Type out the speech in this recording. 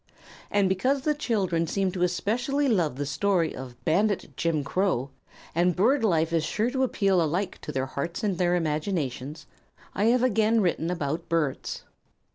And because the children seem to especially love the story of "Bandit Jim Crow," and bird life is sure to appeal alike to their hearts and their imaginations, I have again written about birds.